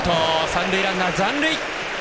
三塁ランナー残塁。